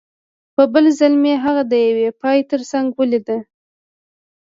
په بل ځل مې هغه د یوې پایې ترڅنګ ولیده